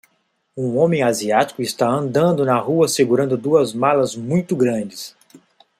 Um homem asiático está andando na rua segurando duas malas muito grandes.